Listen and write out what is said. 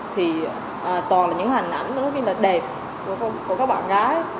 thì toàn là những hình ảnh nó rất là đẹp của các bạn gái